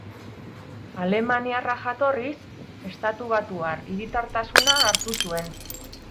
Alemaniarra jatorriz, estatubatuar hiritartasuna hartu zuen.